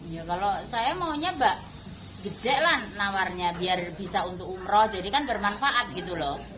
ya kalau saya maunya mbak gede lah nawarnya biar bisa untuk umroh jadi kan bermanfaat gitu loh